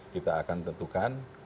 kita akan tentukan